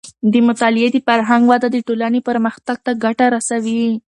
د مطالعې د فرهنګ وده د ټولنې پرمختګ ته ګټه رسوي.